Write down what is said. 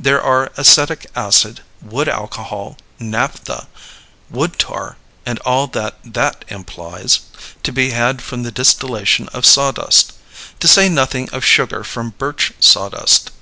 There are acetic acid, wood alcohol, naphtha, wood tar (and all that that implies) to be had from the distillation of sawdust to say nothing of sugar from birch sawdust.